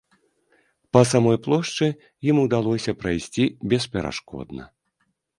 Па самой плошчы ім удалося прайсці бесперашкодна.